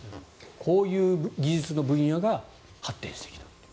こういう技術の分野が発展してきたという。